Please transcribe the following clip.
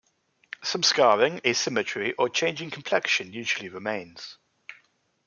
Some scarring, asymmetry or change in complexion usually remains.